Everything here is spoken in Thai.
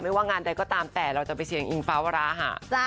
ว่างานใดก็ตามแต่เราจะไปเชียงอิงฟ้าวราหะ